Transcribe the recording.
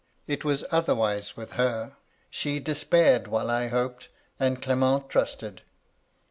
it was otherwise with her ; she despaired while I hoped, and Qement trusted.